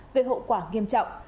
gây hậu quả nghiêm trọng